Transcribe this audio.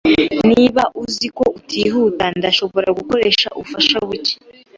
Niba uzi neza ko utihuta, ndashobora gukoresha ubufasha buke.